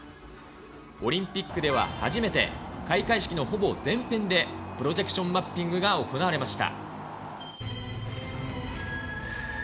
オリンピックでは初めて、開会式のほぼ全編でプロジェクションマッピングが行われました。